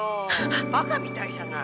「馬鹿みたいじゃない」